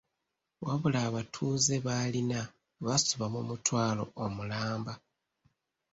Wabula abatuuze b'alina basoba mu mutwalo omulamba.